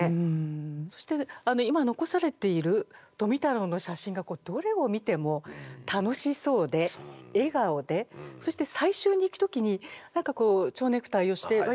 そして今残されている富太郎の写真がどれを見ても楽しそうで笑顔でそして採集に行く時に蝶ネクタイをして割と正装を。